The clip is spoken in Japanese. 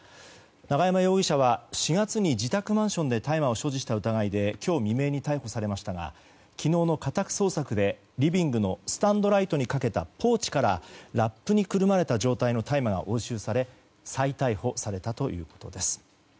永山容疑者は４月に自宅マンションで大麻を所持した疑いで今日未明に逮捕されましたが昨日の家宅捜索でリビングのスタンドライトにかけたポーチからラップにくるまれた状態の大麻が押収され再逮捕されたということです。